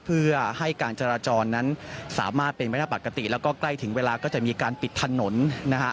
เพื่อให้การจราจรนั้นสามารถเป็นไปได้ปกติแล้วก็ใกล้ถึงเวลาก็จะมีการปิดถนนนะฮะ